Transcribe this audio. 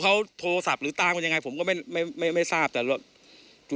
เขาโทรศัพท์หรือตามกันยังไงผมก็ไม่ไม่ไม่ทราบแต่รถที่